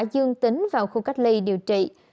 dương tính vào khu cách ly điều trị